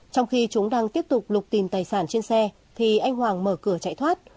trong khi chúng đang tiếp tục lục tìm tài sản trên xe thì anh hoàng mở cửa chạy thoát